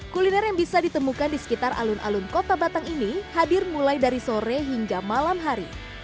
kuliner yang bisa ditemukan di sekitar alun alun kota batang ini hadir mulai dari sore hingga malam hari